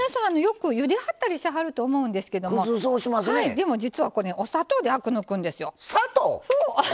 でも実はこれお砂糖でアク抜くんですよ。